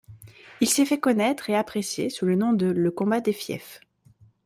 Il s'est fait connaître et apprécier sous le nom de Le Combat des fiefs.